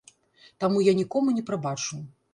Таму я нікому не прабачу.